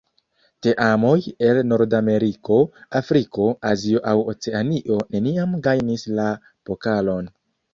Teamoj el Nordameriko, Afriko, Azio aŭ Oceanio neniam gajnis la pokalon.